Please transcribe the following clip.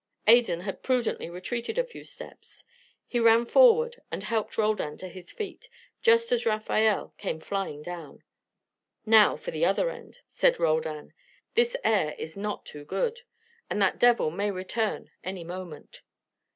Adan had prudently retreated a few steps. He ran forward and helped Roldan to his feet, just as Rafael came flying down. "Now for the other end," said Roldan. "This air is not too good. And that devil may return any moment."